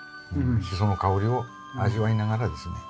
シソの香りを味わいながらですね